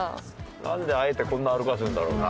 なんであえてこんな歩かせるんだろうな。